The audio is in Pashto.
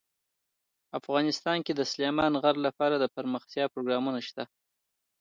افغانستان کې د سلیمان غر لپاره دپرمختیا پروګرامونه شته.